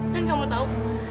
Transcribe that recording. dan kamu tahu